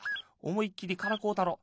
思いっきりからこうたろ。